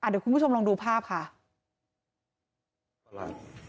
เดี๋ยวคุณผู้ชมลองดูภาพค่ะ